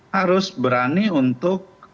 harus berani untuk